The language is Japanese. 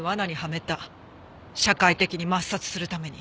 社会的に抹殺するために。